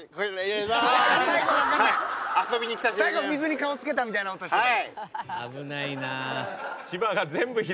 最後水に顔つけたみたいな音してたね。